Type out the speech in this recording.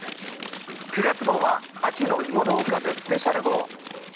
９月号は秋の芋のおかずスペシャル号。